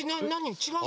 ちがうの？